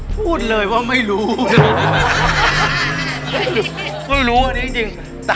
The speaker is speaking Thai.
น้องมายมาเติบ